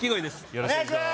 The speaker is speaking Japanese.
よろしくお願いします